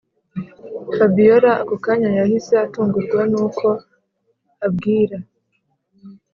fabiora ako kanya yahise atungurwa nuko abwira